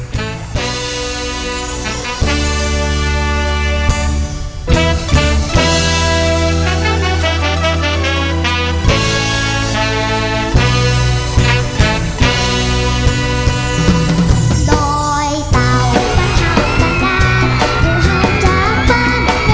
ด้วยเต่าตัดข่าวตัดกาลถึงห้องจากบ้านไม่เหงื่อห่อนข่าว